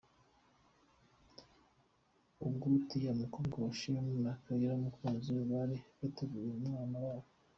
Ubwo Tia umukobwa wa Shem na Kelly n'umukunzi we bari biteguye umwana wabo.